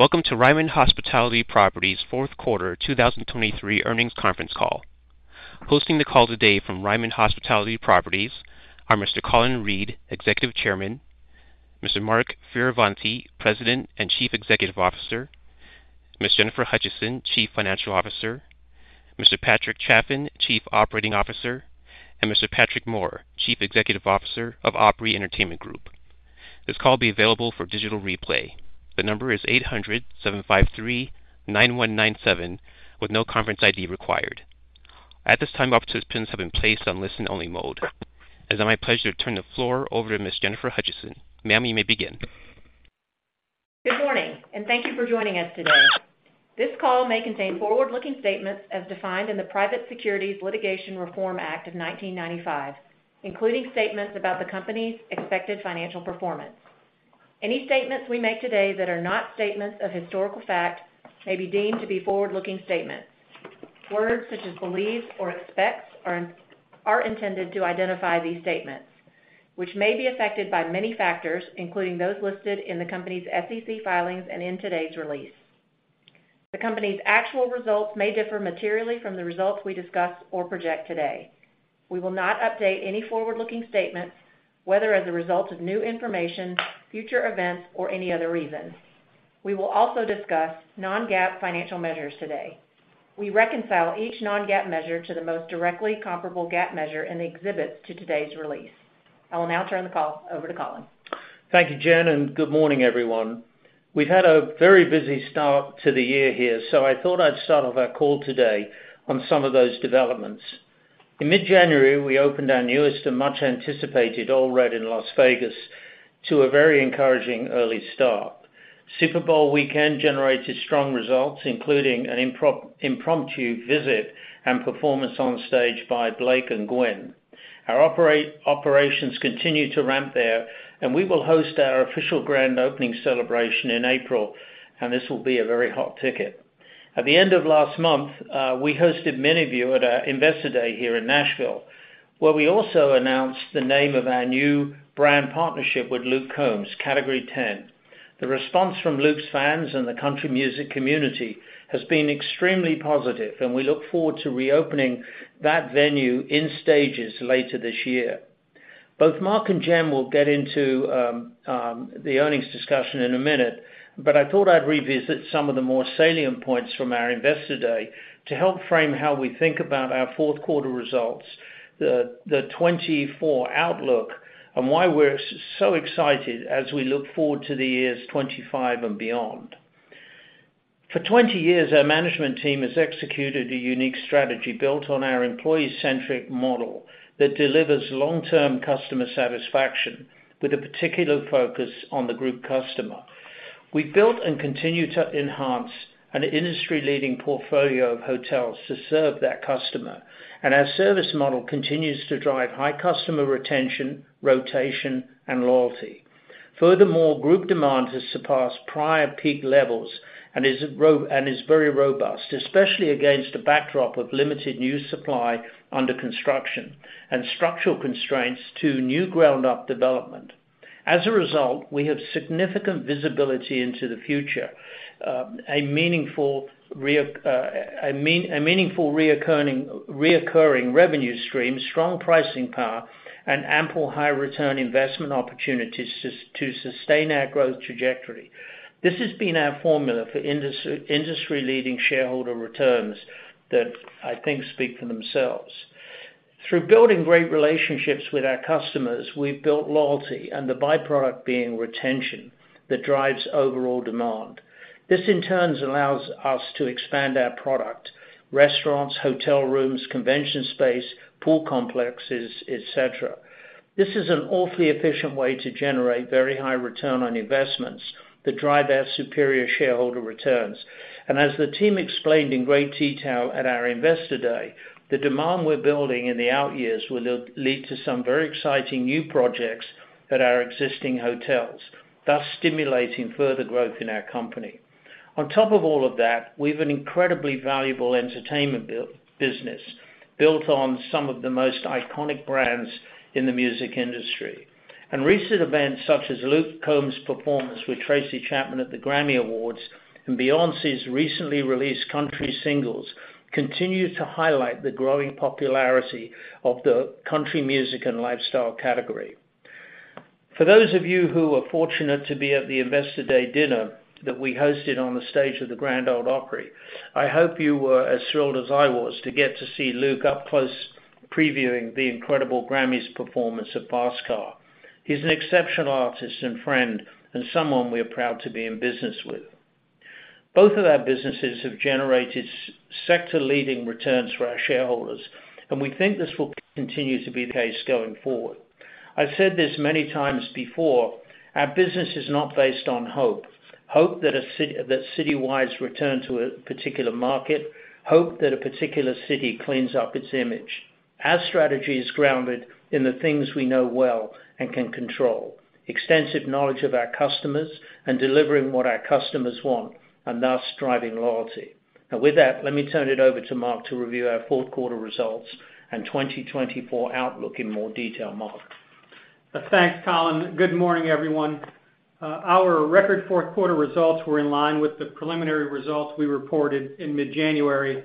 Welcome to Ryman Hospitality Properties' fourth quarter 2023 earnings conference call. Hosting the call today from Ryman Hospitality Properties are Mr. Colin Reed, Executive Chairman, Mr. Mark Fioravanti, President and Chief Executive Officer, Ms. Jennifer Hutcheson, Chief Financial Officer, Mr. Patrick Chaffin, Chief Operating Officer, and Mr. Patrick Moore, Chief Executive Officer of Opry Entertainment Group. This call will be available for digital replay. The number is 800-753-9197, with no conference ID required. At this time, participants have been placed on listen-only mode. It's now my pleasure to turn the floor over to Ms. Jennifer Hutcheson. Ma'am, you may begin. Good morning and thank you for joining us today. This call may contain forward-looking statements as defined in the Private Securities Litigation Reform Act of 1995, including statements about the company's expected financial performance. Any statements we make today that are not statements of historical fact may be deemed to be forward-looking statements. Words such as believes or expects are intended to identify these statements, which may be affected by many factors, including those listed in the company's SEC filings and in today's release. The company's actual results may differ materially from the results we discuss or project today. We will not update any forward-looking statements, whether as a result of new information, future events, or any other reason. We will also discuss non-GAAP financial measures today. We reconcile each non-GAAP measure to the most directly comparable GAAP measure in the exhibits to today's release. I will now turn the call over to Colin. Thank you, Jen, and good morning, everyone. We've had a very busy start to the year here, so I thought I'd start off our call today on some of those developments. In mid-January, we opened our newest and much-anticipated Ole Red in Las Vegas to a very encouraging early start. Super Bowl weekend generated strong results, including an impromptu visit and performance on stage by Blake and Gwen. Our operations continue to ramp there, and we will host our official grand opening celebration in April, and this will be a very hot ticket. At the end of last month, we hosted many of you at our Investor Day here in Nashville, where we also announced the name of our new brand partnership with Luke Combs, Category 10. The response from Luke's fans and the country music community has been extremely positive, and we look forward to reopening that venue in stages later this year. Both Mark and Jen will get into the earnings discussion in a minute, but I thought I'd revisit some of the more salient points from our Investor Day to help frame how we think about our fourth quarter results, the 2024 outlook, and why we're so excited as we look forward to the years 2025 and beyond. For 20 years, our management team has executed a unique strategy built on our employee-centric model that delivers long-term customer satisfaction, with a particular focus on the group customer. We've built and continue to enhance an industry-leading portfolio of hotels to serve that customer, and our service model continues to drive high customer retention, rotation, and loyalty. Furthermore, group demand has surpassed prior peak levels and is very robust, especially against a backdrop of limited new supply under construction and structural constraints to new ground-up development. As a result, we have significant visibility into the future: a meaningful recurring revenue stream, strong pricing power, and ample high-return investment opportunities to sustain our growth trajectory. This has been our formula for industry-leading shareholder returns that I think speak for themselves. Through building great relationships with our customers, we've built loyalty, and the byproduct being retention that drives overall demand. This, in turn, allows us to expand our product: restaurants, hotel rooms, convention space, pool complexes, etc. This is an awfully efficient way to generate very high return on investments that drive our superior shareholder returns. As the team explained in great detail at our Investor Day, the demand we're building in the out years will lead to some very exciting new projects at our existing hotels, thus stimulating further growth in our company. On top of all of that, we have an incredibly valuable entertainment business built on some of the most iconic brands in the music industry. Recent events such as Luke Combs' performance with Tracy Chapman at the Grammy Awards and Beyoncé's recently released country singles continue to highlight the growing popularity of the country music and lifestyle category. For those of you who were fortunate to be at the Investor Day dinner that we hosted on the stage of the Grand Ole Opry, I hope you were as thrilled as I was to get to see Luke up close previewing the incredible Grammy's performance of Fast Car. He's an exceptional artist and friend and someone we are proud to be in business with. Both of our businesses have generated sector-leading returns for our shareholders, and we think this will continue to be the case going forward. I've said this many times before: our business is not based on hope, hope that a citywide return to a particular market, hope that a particular city cleans up its image, our strategy is grounded in the things we know well and can control: extensive knowledge of our customers and delivering what our customers want, and thus driving loyalty. Now, with that, let me turn it over to Mark to review our fourth quarter results and 2024 outlook in more detail, Mark. Thanks, Colin. Good morning, everyone. Our record fourth quarter results were in line with the preliminary results we reported in mid-January.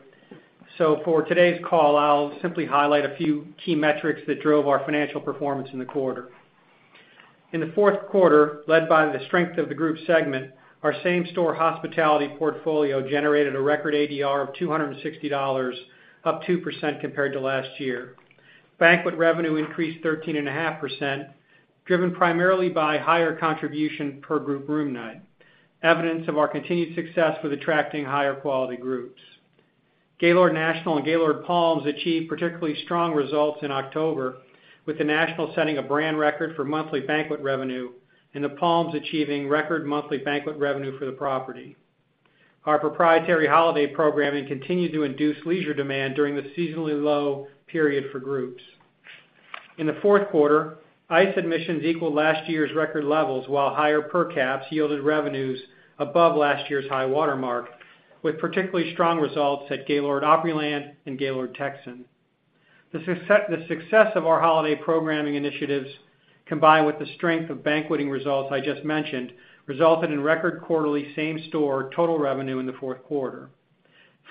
So for today's call, I'll simply highlight a few key metrics that drove our financial performance in the quarter. In the fourth quarter, led by the strength of the group segment, our same-store hospitality portfolio generated a record ADR of $260, up 2% compared to last year. Banquet revenue increased 13.5%, driven primarily by higher contribution per group room night, evidence of our continued success with attracting higher-quality groups. Gaylord National and Gaylord Palms achieved particularly strong results in October, with the National setting a brand record for monthly banquet revenue and the Palms achieving record monthly banquet revenue for the property. Our proprietary holiday programming continued to induce leisure demand during the seasonally low period for groups. In the fourth quarter, ICE admissions equaled last year's record levels, while higher per caps yielded revenues above last year's high watermark, with particularly strong results at Gaylord Opryland and Gaylord Texan. The success of our holiday programming initiatives, combined with the strength of banqueting results I just mentioned, resulted in record quarterly same-store total revenue in the fourth quarter.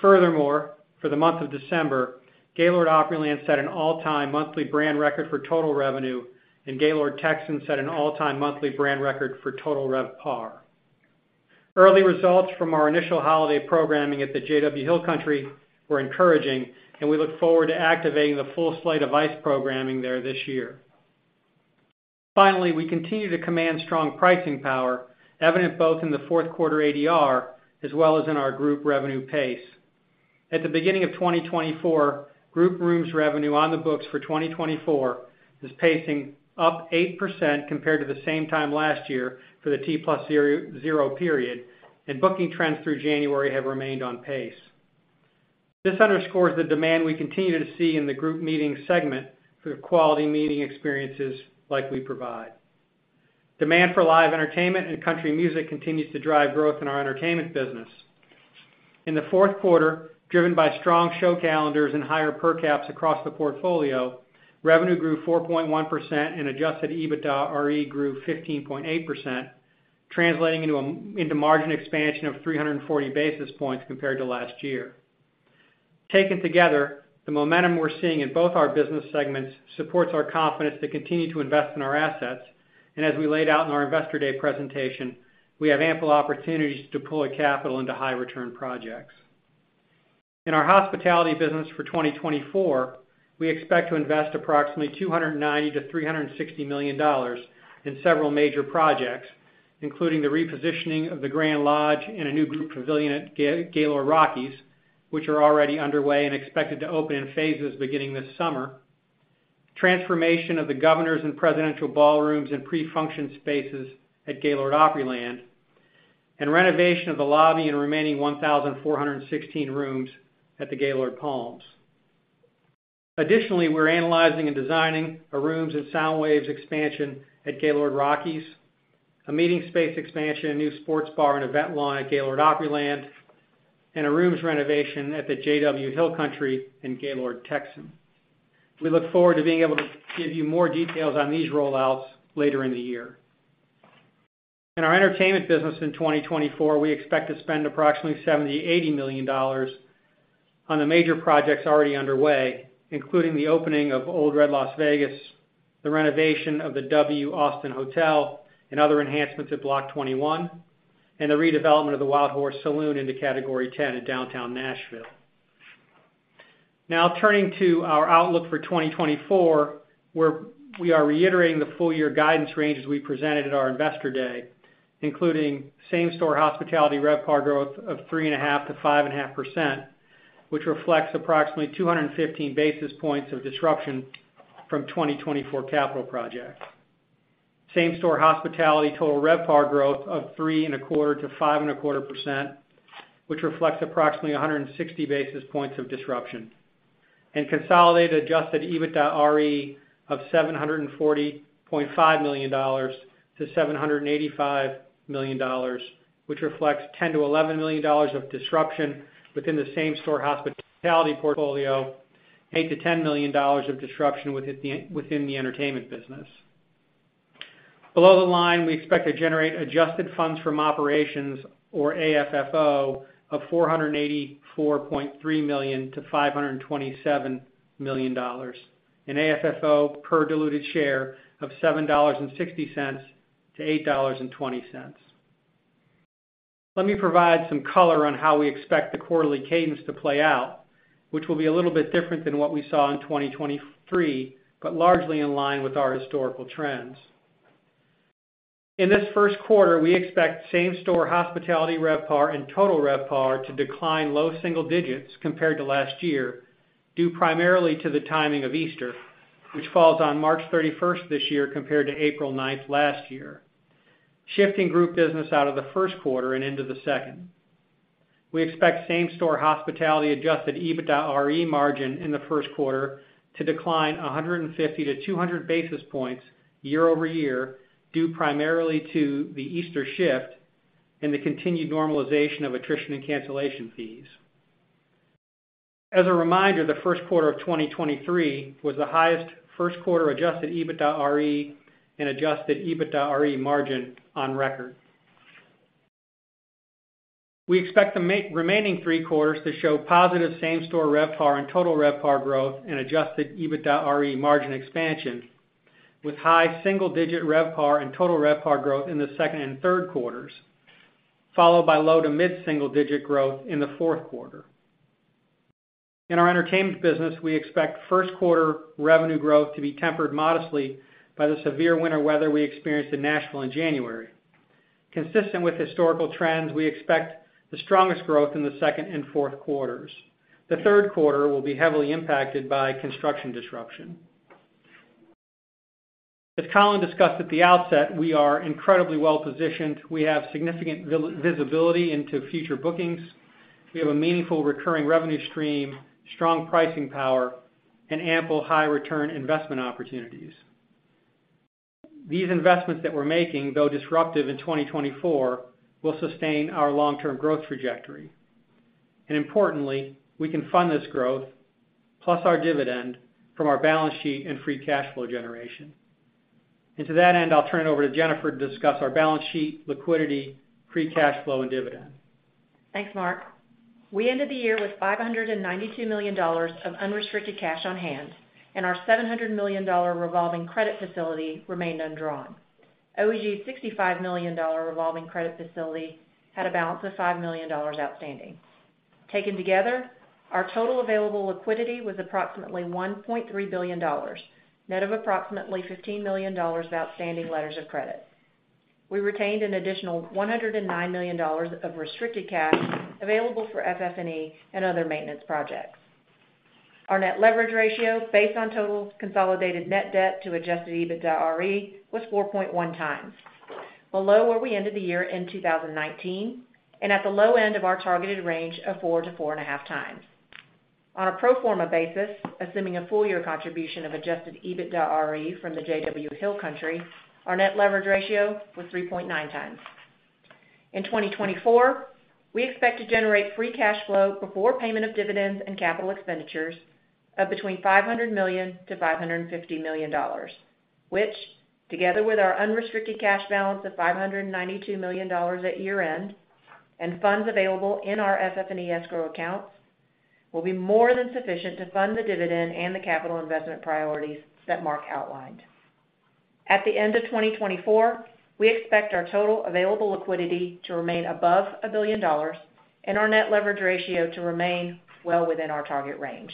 Furthermore, for the month of December, Gaylord Opryland set an all-time monthly brand record for total revenue, and Gaylord Texan set an all-time monthly brand record for total RevPAR. Early results from our initial holiday programming at the JW Hill Country were encouraging, and we look forward to activating the full slate of ICE programming there this year. Finally, we continue to command strong pricing power, evident both in the fourth quarter ADR as well as in our group revenue pace. At the beginning of 2024, group rooms revenue on the books for 2024 is pacing up 8% compared to the same time last year for the T+0 period and booking trends through January have remained on pace. This underscores the demand we continue to see in the group meeting segment for quality meeting experiences like we provide. Demand for live entertainment and country music continues to drive growth in our entertainment business. In the fourth quarter, driven by strong show calendars and higher per caps across the portfolio, revenue grew 4.1% and Adjusted EBITDAre grew 15.8%, translating into margin expansion of 340 basis points compared to last year. Taken together, the momentum we're seeing in both our business segments supports our confidence to continue to invest in our assets, and as we laid out in our Investor Day presentation, we have ample opportunities to deploy capital into high-return projects. In our hospitality business for 2024, we expect to invest approximately $290 million-$360 million in several major projects, including the repositioning of the Grand Lodge and a new group pavilion at Gaylord Rockies, which are already underway and expected to open in phases beginning this summer. Transformation of the Governor's and Presidential ballrooms and pre-function spaces at Gaylord Opryland. And renovation of the lobby and remaining 1,416 rooms at the Gaylord Palms. Additionally, we're analyzing and designing a rooms and SoundWaves expansion at Gaylord Rockies, a meeting space expansion, a new sports bar and event lawn at Gaylord Opryland, and a rooms renovation at the JW Hill Country and Gaylord Texan. We look forward to being able to give you more details on these rollouts later in the year. In our entertainment business in 2024, we expect to spend approximately $70 million-$80 million on the major projects already underway, including the opening of Ole Red Las Vegas, the renovation of the W Austin Hotel and other enhancements at Block 21, and the redevelopment of the Wildhorse Saloon into Category 10 in downtown Nashville. Now, turning to our outlook for 2024, we are reiterating the full-year guidance ranges we presented at our Investor Day, including same-store hospitality RevPAR growth of 3.5%-5.5%, which reflects approximately 215 basis points of disruption from 2024 capital projects. Same-store hospitality Total RevPAR growth of 3.25%-5.25%, which reflects approximately 160 basis points of disruption. Consolidated Adjusted EBITDAre of $740.5 million-$785 million, which reflects $10 million-$11 million of disruption within the same-store hospitality portfolio and $8 million-$10 million of disruption within the entertainment business. Below the line, we expect to generate adjusted funds from operations, or AFFO, of $484.3 million-$527 million, and AFFO per diluted share of $7.60-$8.20. Let me provide some color on how we expect the quarterly cadence to play out, which will be a little bit different than what we saw in 2023, but largely in line with our historical trends. In this first quarter, we expect same-store hospitality RevPAR and total RevPAR to decline low single digits compared to last year, due primarily to the timing of Easter, which falls on March 31st this year compared to April 9th last year, shifting group business out of the first quarter and into the second. We expect same-store hospitality Adjusted EBITDAre margin in the first quarter to decline 150 basis points-200 basis points year-over-year, due primarily to the Easter shift and the continued normalization of attrition and cancellation fees. As a reminder, the first quarter of 2023 was the highest first-quarter Adjusted EBITDAre and Adjusted EBITDAre margin on record. We expect the remaining three quarters to show positive same-store RevPAR and Total RevPAR growth and Adjusted EBITDAre margin expansion, with high single-digit RevPAR and Total RevPAR growth in the second and third quarters, followed by low to mid-single-digit growth in the fourth quarter. In our entertainment business, we expect first-quarter revenue growth to be tempered modestly by the severe winter weather we experienced in Nashville in January. Consistent with historical trends, we expect the strongest growth in the second and fourth quarters. The third quarter will be heavily impacted by construction disruption. As Colin discussed at the outset, we are incredibly well-positioned. We have significant visibility into future bookings. We have a meaningful recurring revenue stream, strong pricing power, and ample high-return investment opportunities. These investments that we're making, though disruptive in 2024, will sustain our long-term growth trajectory. And importantly, we can fund this growth, plus our dividend, from our balance sheet and free cash flow generation. And to that end, I'll turn it over to Jennifer to discuss our balance sheet, liquidity, free cash flow, and dividend. Thanks, Mark. We ended the year with $592 million of unrestricted cash on hand, and our $700 million revolving credit facility remained undrawn. OEG's $65 million revolving credit facility had a balance of $5 million outstanding. Taken together, our total available liquidity was approximately $1.3 billion, net of approximately $15 million of outstanding letters of credit. We retained an additional $109 million of restricted cash available for FF&E and other maintenance projects. Our net leverage ratio, based on total consolidated net debt to Adjusted EBITDAre, was 4.1x, below where we ended the year in 2019, and at the low end of our targeted range of 4x-4.5x. On a pro forma basis, assuming a full-year contribution of Adjusted EBITDAre from the JW Hill Country, our net leverage ratio was 3.9x. In 2024, we expect to generate free cash flow before payment of dividends and capital expenditures of between $500 million-$550 million, which, together with our unrestricted cash balance of $592 million at year-end and funds available in our FF&E escrow accounts, will be more than sufficient to fund the dividend and the capital investment priorities that Mark outlined. At the end of 2024, we expect our total available liquidity to remain above $1 billion and our net leverage ratio to remain well within our target range.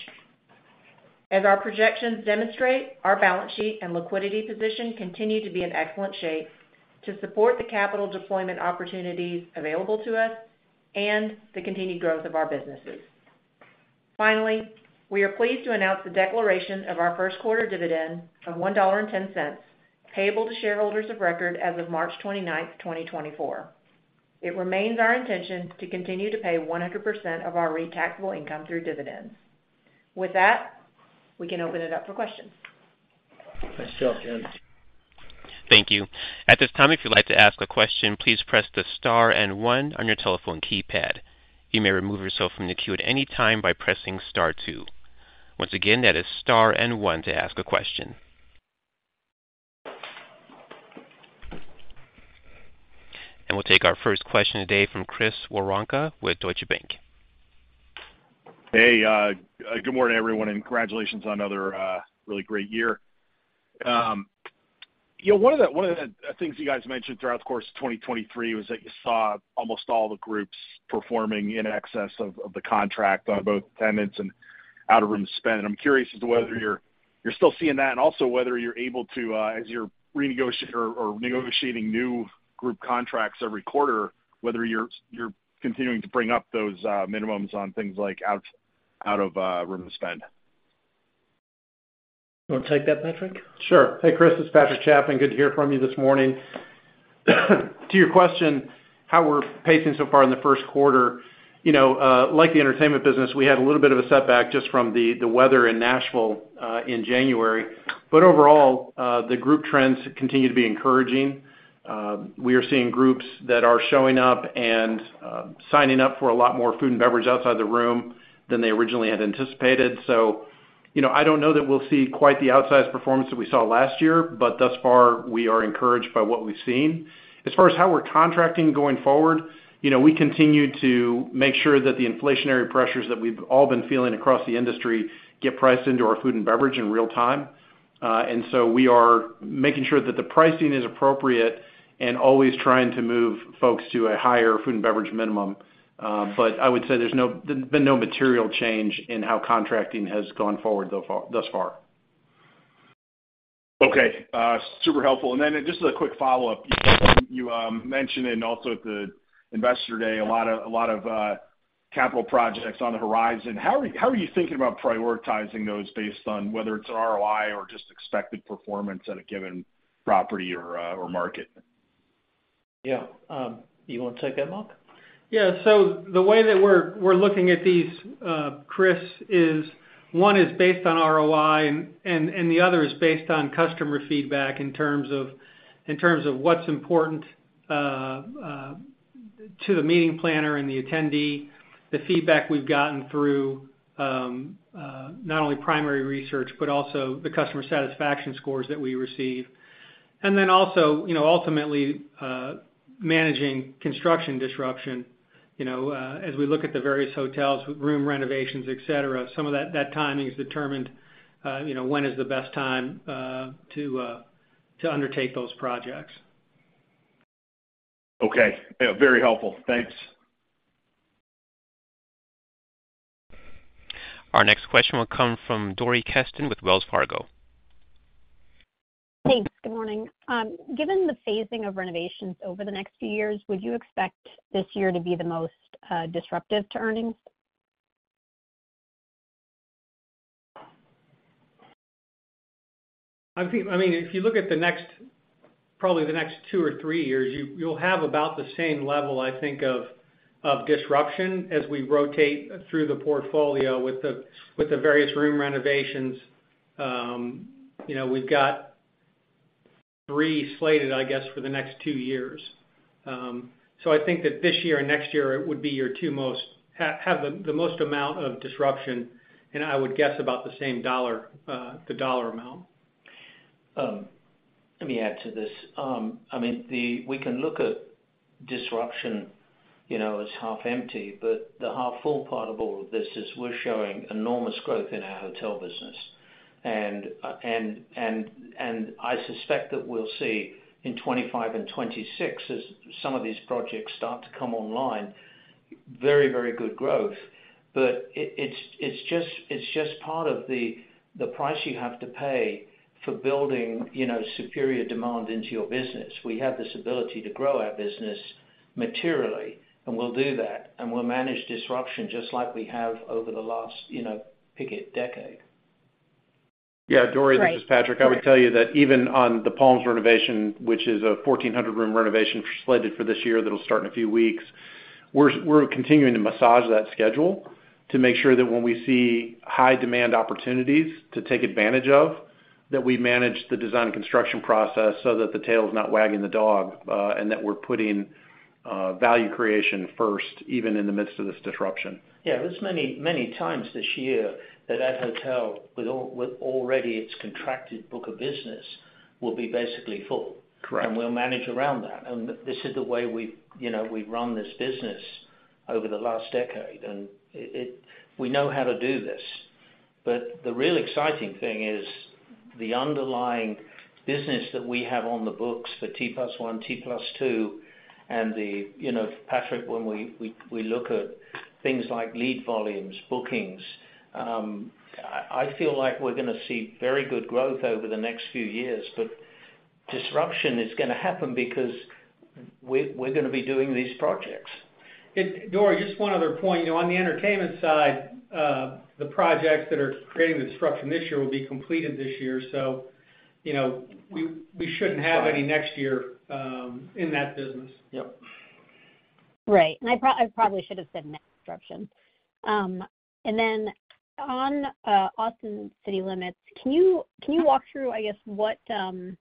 As our projections demonstrate, our balance sheet and liquidity position continue to be in excellent shape to support the capital deployment opportunities available to us and the continued growth of our businesses. Finally, we are pleased to announce the declaration of our first-quarter dividend of $1.10 payable to shareholders of record as of March 29th, 2024. It remains our intention to continue to pay 100% of our taxable income through dividends. With that, we can open it up for questions. Thanks, Jen. Thank you. At this time, if you'd like to ask a question, please press the star and one on your telephone keypad. You may remove yourself from the queue at any time by pressing star two. Once again, that is star and one to ask a question. We'll take our first question today from Chris Woronka with Deutsche Bank. Hey. Good morning, everyone, and congratulations on another really great year. One of the things you guys mentioned throughout the course of 2023 was that you saw almost all the groups performing in excess of the contract on both attendance and out-of-room spend. I'm curious as to whether you're still seeing that and also whether you're able to, as you're renegotiating new group contracts every quarter, whether you're continuing to bring up those minimums on things like out-of-room spend? Do you want to take that, Patrick? Sure. Hey, Chris. It's Patrick Chaffin. Good to hear from you this morning. To your question, how we're pacing so far in the first quarter, like the entertainment business, we had a little bit of a setback just from the weather in Nashville in January. But overall, the group trends continue to be encouraging. We are seeing groups that are showing up and signing up for a lot more food and beverage outside the room than they originally had anticipated. So I don't know that we'll see quite the outsized performance that we saw last year, but thus far, we are encouraged by what we've seen. As far as how we're contracting going forward, we continue to make sure that the inflationary pressures that we've all been feeling across the industry get priced into our food and beverage in real time. And so we are making sure that the pricing is appropriate and always trying to move folks to a higher food and beverage minimum. But I would say there's been no material change in how contracting has gone forward thus far. Okay. Super helpful. And then just as a quick follow-up, you mentioned also at the Investor Day a lot of capital projects on the horizon. How are you thinking about prioritizing those based on whether it's an ROI or just expected performance at a given property or market? Yeah. You want to take that, Mark? Yeah. So the way that we're looking at these, Chris, is one is based on ROI, and the other is based on customer feedback in terms of what's important to the meeting planner and the attendee, the feedback we've gotten through not only primary research but also the customer satisfaction scores that we receive. And then also, ultimately, managing construction disruption. As we look at the various hotels, room renovations, etc., some of that timing is determined when is the best time to undertake those projects. Okay. Very helpful. Thanks. Our next question will come from Dori Kesten with Wells Fargo. Thanks. Good morning. Given the phasing of renovations over the next few years, would you expect this year to be the most disruptive to earnings? I mean, if you look at probably the next 2 years or 3 years, you'll have about the same level, I think, of disruption as we rotate through the portfolio with the various room renovations. We've got 3 slated, I guess, for the next 2 years. So I think that this year and next year would be your 2 most have the most amount of disruption, and I would guess about the same dollar amount. Let me add to this. I mean, we can look at disruption as half empty, but the half full part of all of this is we're showing enormous growth in our hotel business. And I suspect that we'll see in 2025 and 2026, as some of these projects start to come online, very, very good growth. But it's just part of the price you have to pay for building superior demand into your business. We have this ability to grow our business materially, and we'll do that. And we'll manage disruption just like we have over the last, pick it, decade. Yeah. Dori, this is Patrick. I would tell you that even on the Palms renovation, which is a 1,400-room renovation slated for this year that'll start in a few weeks, we're continuing to massage that schedule to make sure that when we see high-demand opportunities to take advantage of, that we manage the design and construction process so that the tail's not wagging the dog and that we're putting value creation first, even in the midst of this disruption. Yeah. There's many times this year that that hotel, with already its contracted book of business, will be basically full. We'll manage around that. This is the way we've run this business over the last decade. We know how to do this. But the real exciting thing is the underlying business that we have on the books for T+1, T+2, and then, Patrick, when we look at things like lead volumes, bookings, I feel like we're going to see very good growth over the next few years. But disruption is going to happen because we're going to be doing these projects. Dori, just one other point. On the entertainment side, the projects that are creating the disruption this year will be completed this year. So we shouldn't have any next year in that business. Right. I probably should have said net disruption. Then on Austin City Limits, can you walk through, I guess,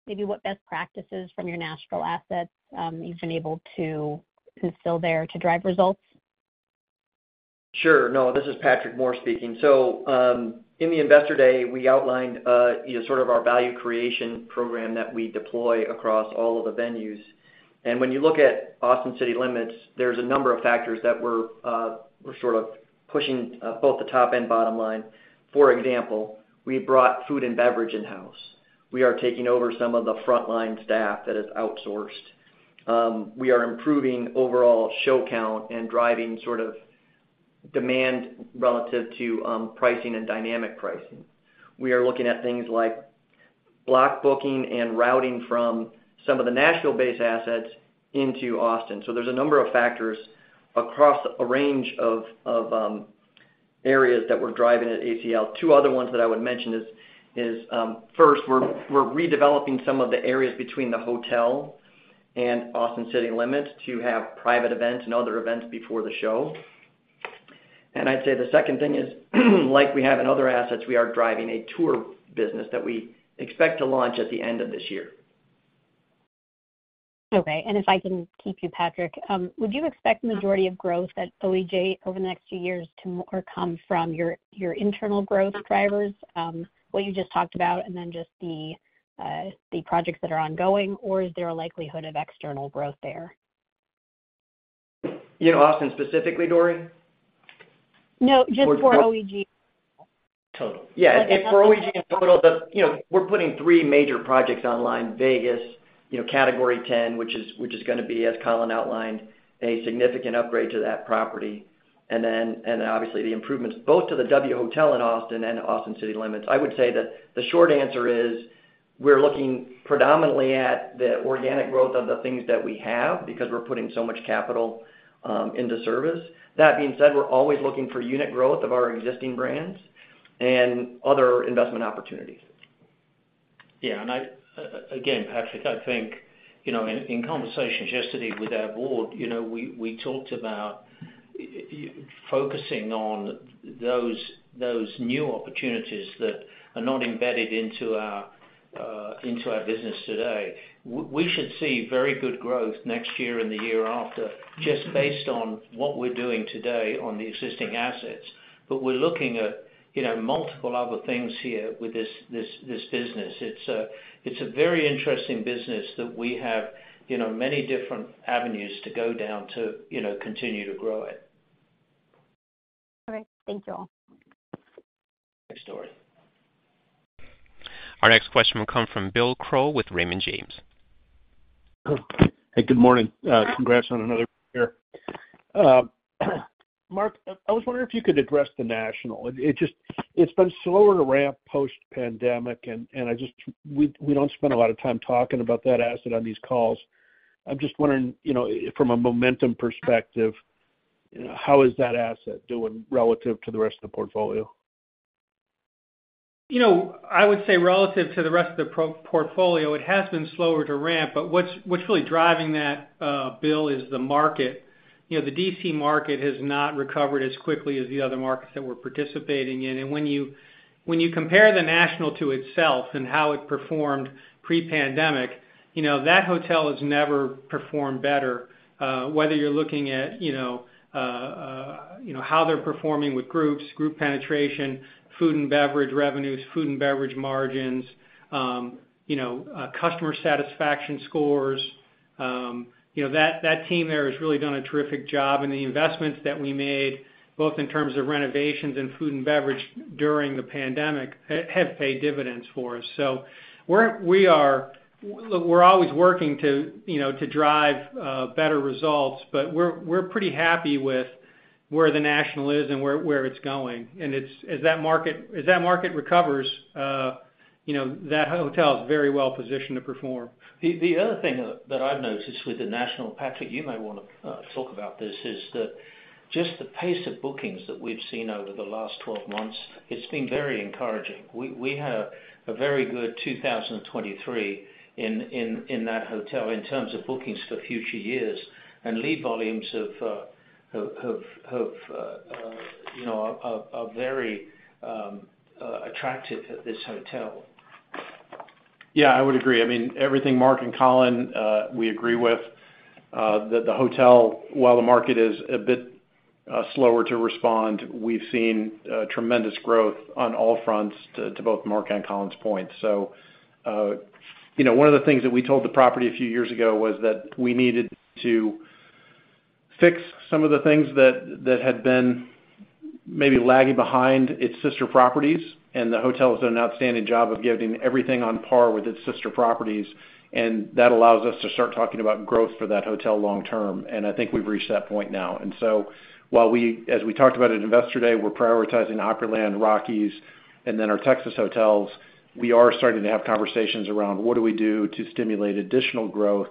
maybe what best practices from your Nashville assets you've been able to instill there to drive results? Sure. No, this is Patrick Moore speaking. In the Investor Day, we outlined sort of our value creation program that we deploy across all of the venues. When you look at Austin City Limits, there's a number of factors that we're sort of pushing both the top and bottom line. For example, we brought food and beverage in-house. We are taking over some of the frontline staff that is outsourced. We are improving overall show count and driving sort of demand relative to pricing and dynamic pricing. We are looking at things like block booking and routing from some of the Nashville-based assets into Austin. There's a number of factors across a range of areas that we're driving at ACL. Two other ones that I would mention is, first, we're redeveloping some of the areas between the hotel and Austin City Limits to have private events and other events before the show. I'd say the second thing is, like we have in other assets, we are driving a tour business that we expect to launch at the end of this year. Okay. And if I can keep you, Patrick, would you expect the majority of growth at OEG over the next few years to come from your internal growth drivers, what you just talked about, and then just the projects that are ongoing? Or is there a likelihood of external growth there? Austin specifically, Dori? No, just for OEG. Total. Yeah. For OEG in total, we're putting three major projects online: Vegas, Category 10, which is going to be, as Colin outlined, a significant upgrade to that property, and then, obviously, the improvements both to the W Austin Hotel and Austin City Limits. I would say that the short answer is we're looking predominantly at the organic growth of the things that we have because we're putting so much capital into service. That being said, we're always looking for unit growth of our existing brands and other investment opportunities. Yeah. And again, Patrick, I think in conversations yesterday with our board, we talked about focusing on those new opportunities that are not embedded into our business today. We should see very good growth next year and the year after just based on what we're doing today on the existing assets. But we're looking at multiple other things here with this business. It's a very interesting business that we have many different avenues to go down to continue to grow it. Okay. Thank you all. Thanks, Dori. Our next question will come from Bill Crow with Raymond James. Hey. Good morning. Congrats on another year. Mark, I was wondering if you could address the Nashville. It's been slower to ramp post-pandemic, and we don't spend a lot of time talking about that asset on these calls. I'm just wondering, from a momentum perspective, how is that asset doing relative to the rest of the portfolio? I would say relative to the rest of the portfolio, it has been slower to ramp. But what's really driving that, Bill, is the market. The D.C. market has not recovered as quickly as the other markets that we're participating in. And when you compare the Nashville to itself and how it performed pre-pandemic, that hotel has never performed better, whether you're looking at how they're performing with groups, group penetration, food and beverage revenues, food and beverage margins, customer satisfaction scores. That team there has really done a terrific job. And the investments that we made, both in terms of renovations and food and beverage during the pandemic, have paid dividends for us. So we're always working to drive better results, but we're pretty happy with where the Nashville is and where it's going. And as that market recovers, that hotel is very well positioned to perform. The other thing that I've noticed with the Nashville, Patrick, you may want to talk about this, is that just the pace of bookings that we've seen over the last 12 months, it's been very encouraging. We had a very good 2023 in that hotel in terms of bookings for future years. Lead volumes have been very attractive at this hotel. Yeah. I would agree. I mean, everything Mark and Colin, we agree with. The hotel, while the market is a bit slower to respond, we've seen tremendous growth on all fronts to both Mark and Colin's points. So one of the things that we told the property a few years ago was that we needed to fix some of the things that had been maybe lagging behind its sister properties. And the hotel has done an outstanding job of getting everything on par with its sister properties. And that allows us to start talking about growth for that hotel long term. And I think we've reached that point now. And so while we, as we talked about at Investor Day, we're prioritizing Opryland, Rockies, and then our Texas hotels, we are starting to have conversations around what do we do to stimulate additional growth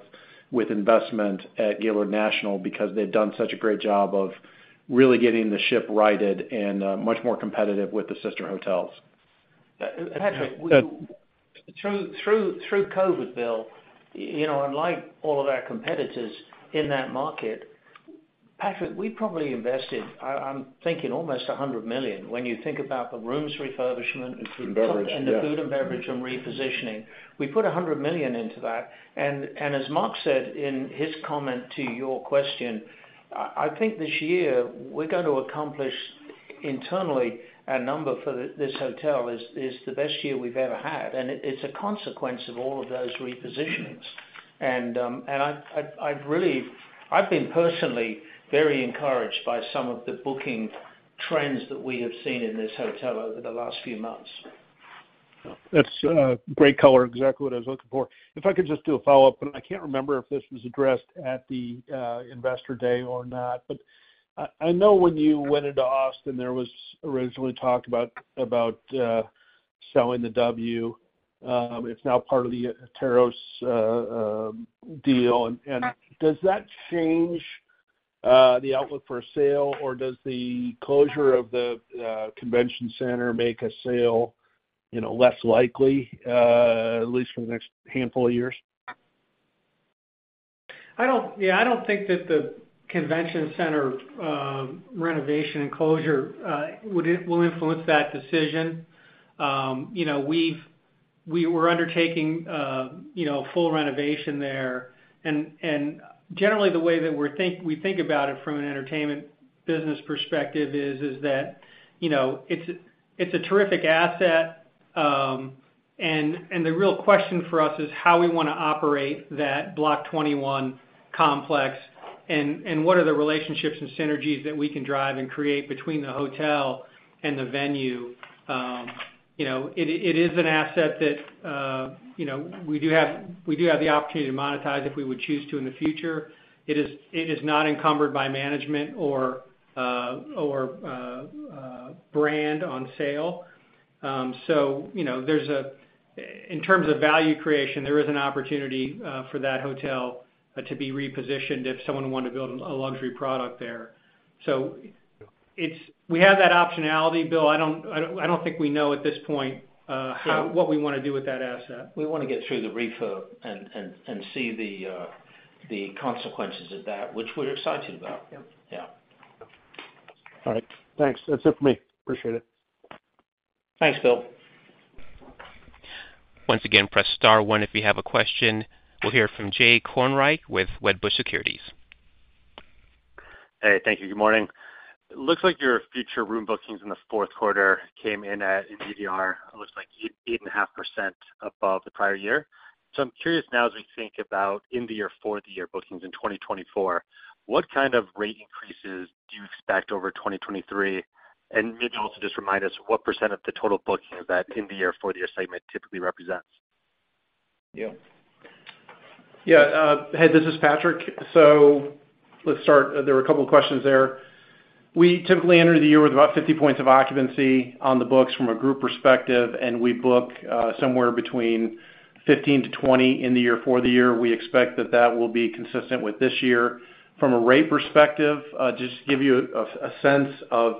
with investment at Gaylord National because they've done such a great job of really getting the ship righted and much more competitive with the sister hotels. Patrick, through COVID, Bill, unlike all of our competitors in that market, Patrick, we probably invested, I'm thinking, almost $100 million when you think about the rooms refurbishment and the food and beverage repositioning. We put $100 million into that. And as Mark said in his comment to your question, I think this year we're going to accomplish internally a number for this hotel is the best year we've ever had. And it's a consequence of all of those repositionings. And I've been personally very encouraged by some of the booking trends that we have seen in this hotel over the last few months. That's great color, exactly what I was looking for. If I could just do a follow-up, and I can't remember if this was addressed at the Investor Day or not, but I know when you went into Austin, there was originally talk about selling the W. It's now part of the Stratus deal. And does that change the outlook for a sale, or does the closure of the convention center make a sale less likely, at least for the next handful of years? Yeah. I don't think that the convention center renovation and closure will influence that decision. We're undertaking full renovation there. Generally, the way that we think about it from an entertainment business perspective is that it's a terrific asset. The real question for us is how we want to operate that Block 21 complex and what are the relationships and synergies that we can drive and create between the hotel and the venue. It is an asset that we do have the opportunity to monetize if we would choose to in the future. It is not encumbered by management or brand on sale. In terms of value creation, there is an opportunity for that hotel to be repositioned if someone wanted to build a luxury product there. We have that optionality, Bill. I don't think we know at this point what we want to do with that asset. We want to get through the refurb and see the consequences of that, which we're excited about. Yeah. All right. Thanks. That's it for me. Appreciate it. Thanks, Bill. Once again, press star one if you have a question. We'll hear from Jay Kornreich with Wedbush Securities. Hey. Thank you. Good morning. Looks like your future room bookings in the fourth quarter came in at, in ADR, it looks like, 8.5% above the prior year. So I'm curious now, as we think about in-the-year, for-the-year bookings in 2024, what kind of rate increases do you expect over 2023? And maybe also just remind us, what % of the total bookings that in-the-year, for-the-year segment typically represents? Yeah. Yeah. Hey, this is Patrick. So let's start. There were a couple of questions there. We typically enter the year with about 50 points of occupancy on the books from a group perspective, and we book somewhere between 15-20 in-the-year, for-the-year. We expect that that will be consistent with this year. From a rate perspective, to just give you a sense of,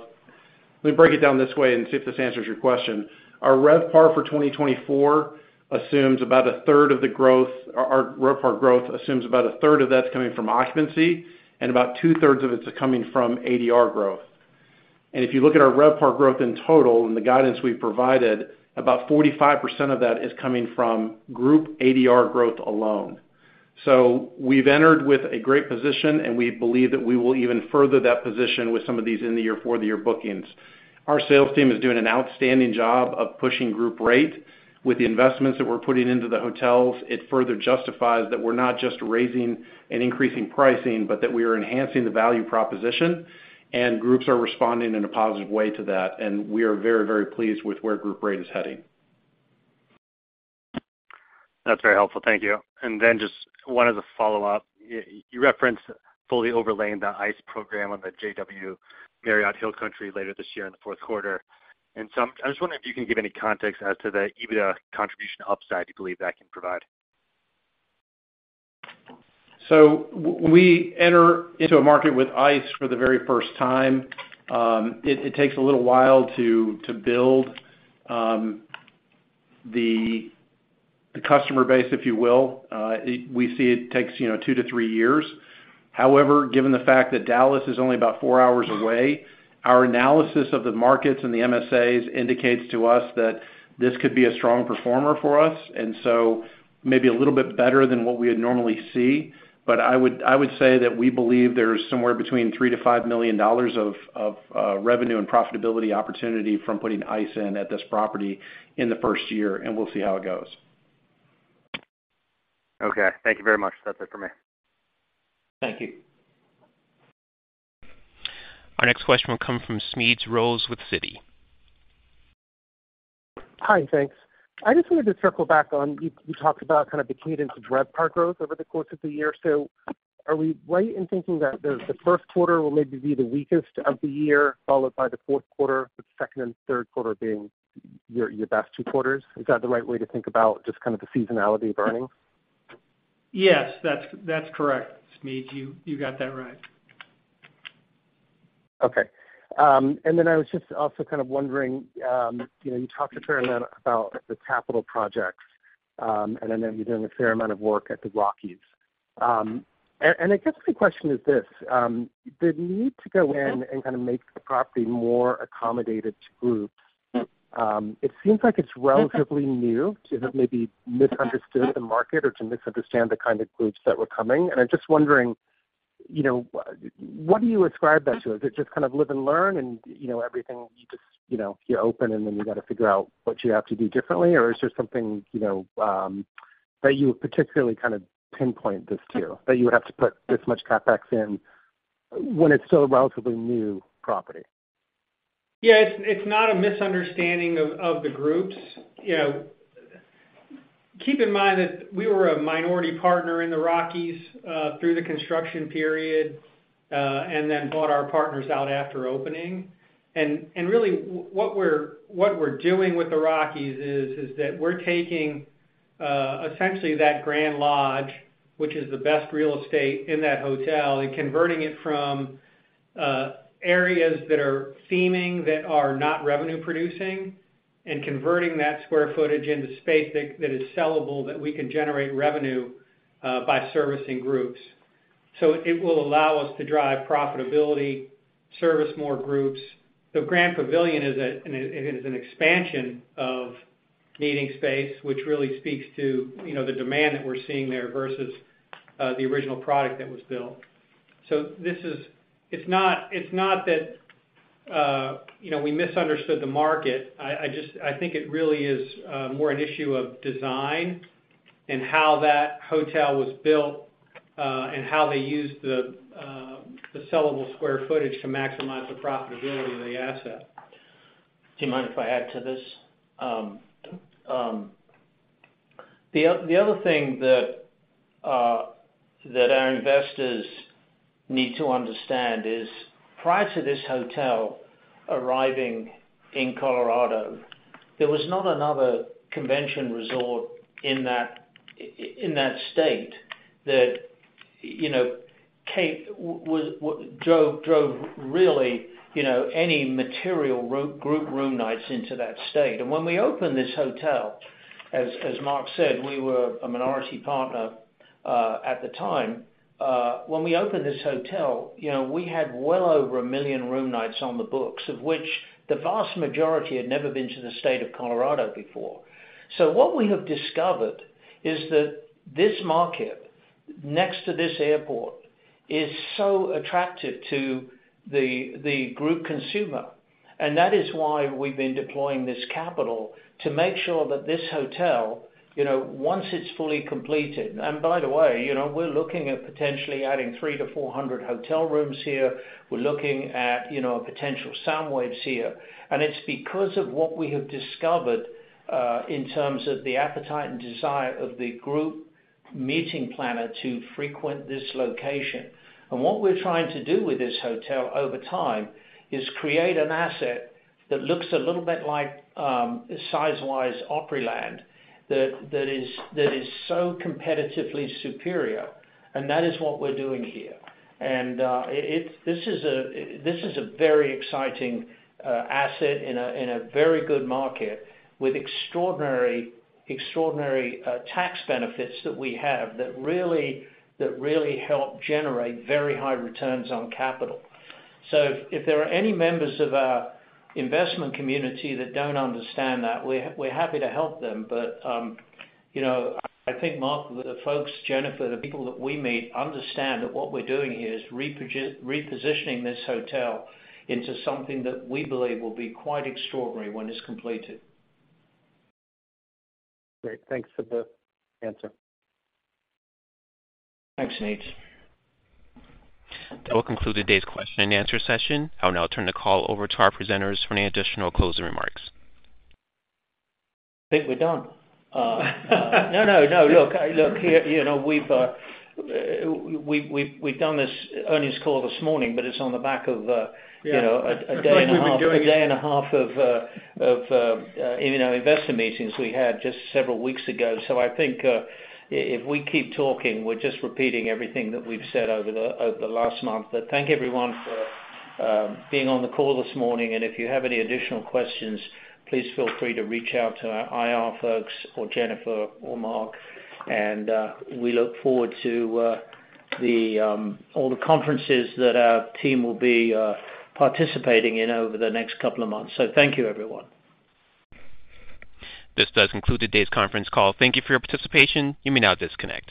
let me break it down this way and see if this answers your question. Our RevPAR for 2024 assumes about a third of the growth our RevPAR growth assumes about a third of that's coming from occupancy, and about two-thirds of it's coming from ADR growth. And if you look at our RevPAR growth in total and the guidance we've provided, about 45% of that is coming from group ADR growth alone. We've entered with a great position, and we believe that we will even further that position with some of these in-the-year, for-the-year bookings. Our sales team is doing an outstanding job of pushing group rate. With the investments that we're putting into the hotels, it further justifies that we're not just raising and increasing pricing, but that we are enhancing the value proposition. Groups are responding in a positive way to that. We are very, very pleased with where group rate is heading. That's very helpful. Thank you. And then just one as a follow-up, you referenced fully overlaying the ICE program on the JW Marriott Hill Country later this year in the fourth quarter. And so I'm just wondering if you can give any context as to the EBITDA contribution upside you believe that can provide? So when we enter into a market with ICE for the very first time, it takes a little while to build the customer base, if you will. We see it takes 2 years-3 years. However, given the fact that Dallas is only about 4 hours away, our analysis of the markets and the MSAs indicates to us that this could be a strong performer for us and so maybe a little bit better than what we would normally see. But I would say that we believe there's somewhere between $3 million-$5 million of revenue and profitability opportunity from putting ICE in at this property in the first year. And we'll see how it goes. Okay. Thank you very much. That's it for me. Thank you. Our next question will come from Smedes Rose with Citi. Hi. Thanks. I just wanted to circle back on you talked about kind of the cadence of RevPAR growth over the course of the year. So are we right in thinking that the first quarter will maybe be the weakest of the year, followed by the fourth quarter, with the second and third quarter being your best two quarters? Is that the right way to think about just kind of the seasonality of earnings? Yes. That's correct, Smedes. You got that right. Okay. And then I was just also kind of wondering you talked a fair amount about the capital projects, and I know you're doing a fair amount of work at the Rockies. And I guess my question is this: the need to go in and kind of make the property more accommodated to groups, it seems like it's relatively new. Is it maybe misunderstood in the market or to misunderstand the kind of groups that were coming? And I'm just wondering, what do you ascribe that to? Is it just kind of live and learn and everything you just you're open, and then you got to figure out what you have to do differently? Or is there something that you would particularly kind of pinpoint this to, that you would have to put this much CapEx in when it's still a relatively new property? Yeah. It's not a misunderstanding of the groups. Keep in mind that we were a minority partner in the Rockies through the construction period and then bought our partners out after opening. Really, what we're doing with the Rockies is that we're taking essentially that Grand Lodge, which is the best real estate in that hotel, and converting it from areas that are theming that are not revenue-producing and converting that square footage into space that is sellable that we can generate revenue by servicing groups. So it will allow us to drive profitability, service more groups. The Grand Pavilion is an expansion of meeting space, which really speaks to the demand that we're seeing there versus the original product that was built. It's not that we misunderstood the market. I think it really is more an issue of design and how that hotel was built and how they used the sellable square footage to maximize the profitability of the asset. Do you mind if I add to this? The other thing that our investors need to understand is, prior to this hotel arriving in Colorado, there was not another convention resort in that state that drove really any material group room nights into that state. And when we opened this hotel, as Mark said, we were a minority partner at the time. When we opened this hotel, we had well over 1 million room nights on the books, of which the vast majority had never been to the state of Colorado before. So what we have discovered is that this market next to this airport is so attractive to the group consumer. And that is why we've been deploying this capital to make sure that this hotel, once it's fully completed and by the way, we're looking at potentially adding 300-400 hotel rooms here. We're looking at potential SoundWaves here. It's because of what we have discovered in terms of the appetite and desire of the group meeting planner to frequent this location. What we're trying to do with this hotel over time is create an asset that looks a little bit like size-wise Opryland that is so competitively superior. That is what we're doing here. This is a very exciting asset in a very good market with extraordinary tax benefits that we have that really help generate very high returns on capital. So if there are any members of our investment community that don't understand that, we're happy to help them. But I think Mark, the folks, Jennifer, the people that we meet understand that what we're doing here is repositioning this hotel into something that we believe will be quite extraordinary when it's completed. Great. Thanks for the answer. Thanks, Smedes. That will conclude today's question and answer session. I'll now turn the call over to our presenters for any additional closing remarks. I think we're done. No, no, no. Look, here, we've done this earnings call this morning, but it's on the back of a day and a half of investor meetings we had just several weeks ago. So I think if we keep talking, we're just repeating everything that we've said over the last month. Thank everyone for being on the call this morning. If you have any additional questions, please feel free to reach out to our IR folks or Jennifer or Mark. We look forward to all the conferences that our team will be participating in over the next couple of months. Thank you, everyone. This does conclude today's conference call. Thank you for your participation. You may now disconnect.